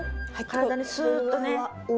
体にスーッとね。